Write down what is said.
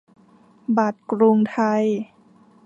บัตรกรุงไทย